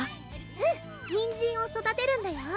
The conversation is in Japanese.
うんにんじんを育てるんだよ